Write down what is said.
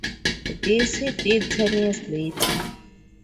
This he did ten years later.